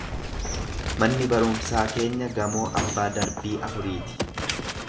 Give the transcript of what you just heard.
Manni barumsaa keenya gamoo abbaa darbii afuriiti